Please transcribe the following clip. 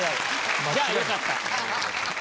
じゃあよかった。